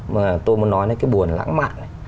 mà tôi muốn nói đến cái buồn lãng mạn